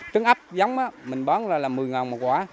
trứng ấp giống mình bán ra là một mươi con